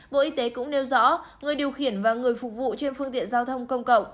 bộ y tế cũng nêu rõ người điều khiển và người phục vụ trên phương tiện giao thông công cộng